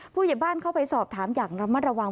ผู้ใหญ่บ้านเข้าไปสอบถามอย่างระมัดระวัง